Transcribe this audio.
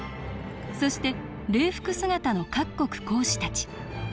そして礼服姿の各国公使たち。